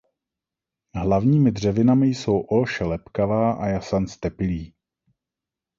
Hlavními dřevinami jsou olše lepkavá a jasan ztepilý.